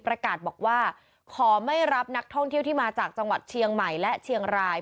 ประกาศบอกว่าขอไม่รับนักท่องเที่ยวที่มาจากจังหวัดเชียงใหม่และเชียงราย